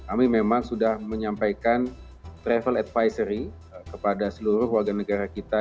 kami memang sudah menyampaikan travel advisory kepada seluruh warga negara kita